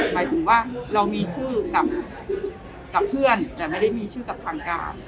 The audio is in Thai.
หมายถึงว่าเรามีชื่อกับเพื่อนแต่ไม่ได้มีชื่อกับทางการ